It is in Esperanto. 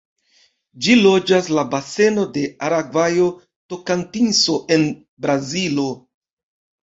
Ĝi loĝas la baseno de Aragvajo-Tokantinso en Brazilo.